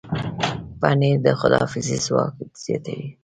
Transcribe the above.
پنېر د حافظې ځواک زیاتوي.